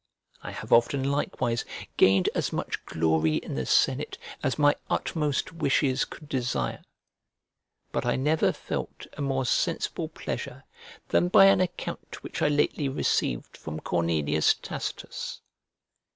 I have often likewise gained as much glory in the senate as my utmost wishes could desire: but I never felt a more sensible pleasure than by an account which I lately received from Cornelius Tacitus.